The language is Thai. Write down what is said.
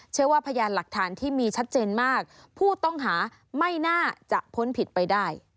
พยานหลักฐานที่มีชัดเจนมากผู้ต้องหาไม่น่าจะพ้นผิดไปได้